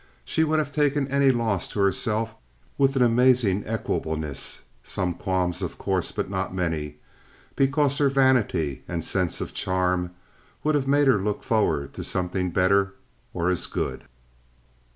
She would have taken any loss to herself with an amazing equableness—some qualms, of course, but not many—because her vanity and sense of charm would have made her look forward to something better or as good.